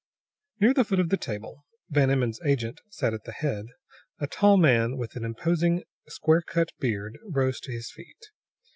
Near the foot of the table Van Emmon's agent sat at the head a tall man with an imposing, square cut beard rose to his feet.